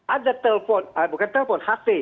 ada telepon bukan telepon hp